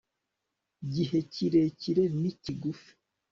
gihe kirekire n ikigufi